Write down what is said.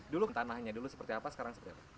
dulu tanahnya dulu seperti apa sekarang seperti apa